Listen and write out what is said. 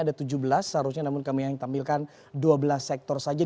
ada tujuh belas seharusnya namun kami yang tampilkan dua belas sektor saja